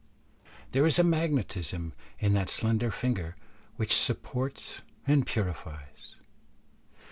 There is a magnetism in that slender finger which supports and purifies."